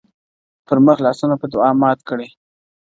پر مخ لاسونه په دوعا مات کړي-